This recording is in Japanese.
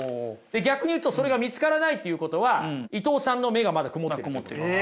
逆に言うとそれが見つからないっていうことは伊藤さんの目がまだ曇ってるということです。